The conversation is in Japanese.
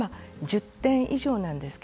１０点以上ですね。